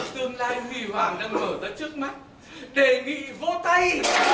tương lai huy hoàng đang mở tới trước mắt đề nghị vô tay